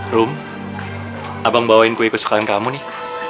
rum abang bawain kue kesukaan kamu nih